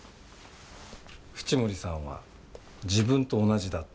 淵森さんは自分と同じだって。